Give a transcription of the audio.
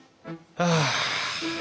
ああ。